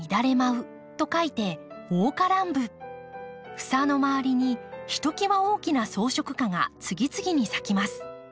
房の周りにひときわ大きな装飾花が次々に咲きます。